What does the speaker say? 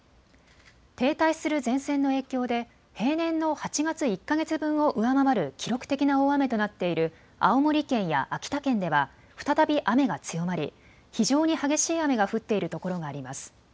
停滞する前線の影響で平年の８月１か月分を上回る記録的な大雨となっている青森県や秋田県では再び雨が強まり、非常に激しい雨が降っているところがあります。